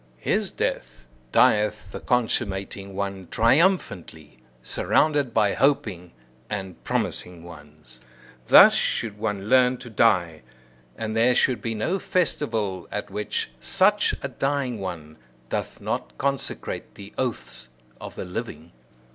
His death, dieth the consummating one triumphantly, surrounded by hoping and promising ones. Thus should one learn to die; and there should be no festival at which such a dying one doth not consecrate the oaths of the living!